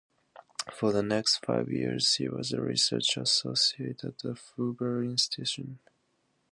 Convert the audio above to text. For the next five years, he was a research associate at the Hoover Institution.